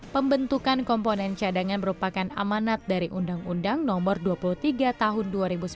pembentukan komponen cadangan merupakan amanat dari undang undang nomor dua puluh tiga tahun dua ribu sembilan belas